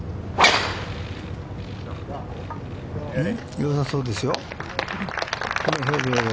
よさそうですよ。